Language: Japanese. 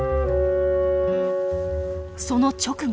その直後。